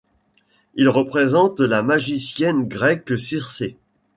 Il représente la magicienne grecque Circé.